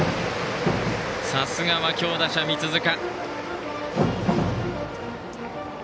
さすがは強打者・三塚。